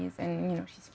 dan dia lima belas tahun